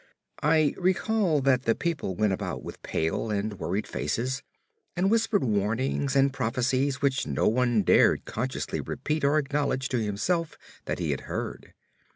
I recall that the people went about with pale and worried faces, and whispered warnings and prophecies which no one dared consciously repeat or acknowledge to himself that he had heard.